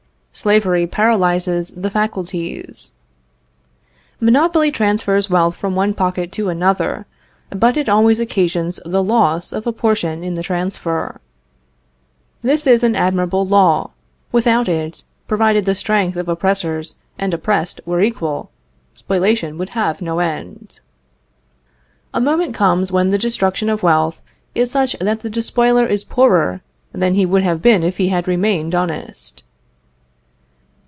Slavery paralyzes the faculties. Monopoly transfers wealth from one pocket to another, but it always occasions the loss of a portion in the transfer. This is an admirable law. Without it, provided the strength of oppressors and oppressed were equal, spoliation would have no end. A moment comes when the destruction of wealth is such that the despoiler is poorer than he would have been if he had remained honest.